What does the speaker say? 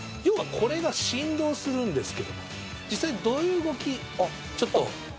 要はこれが振動するんですけど実際どういう動きちょっと。